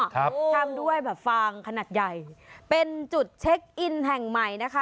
ทำด้วยแบบฟางขนาดใหญ่เป็นจุดเช็คอินแห่งใหม่นะคะ